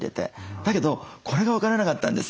だけどこれが分からなかったんですよ